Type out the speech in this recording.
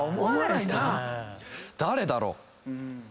誰だろう？